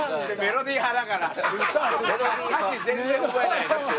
歌詞全然覚えないのよ。